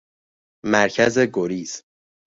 مرکز گریز